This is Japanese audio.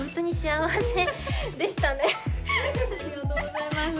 ありがとうございます。